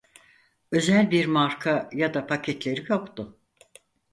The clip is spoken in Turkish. Özel bir marka ya da paketleri yoktu.